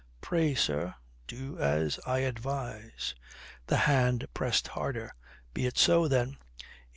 "Pray, sir, do as I advise." The hand pressed harder. "Be it so then."